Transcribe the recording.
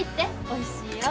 おいしいよ。